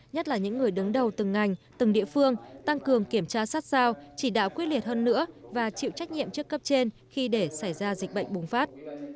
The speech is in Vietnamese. nhất là những người đứng đầu từng ngành từng địa phương tăng cường kiểm tra sát sao chỉ đạo quyết liệt hơn nữa và chịu trách nhiệm trước cấp trên khi để xảy ra dịch bệnh bùng phát